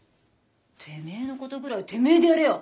てめえのことぐらいてめえでやれよ！